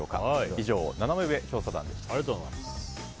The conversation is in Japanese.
以上、ナナメ上調査団でした。